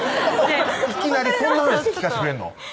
いきなりそんな話聞かしてくれんの？